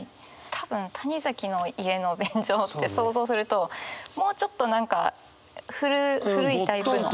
多分谷崎の家の便所って想像するともうちょっと何か古いタイプの。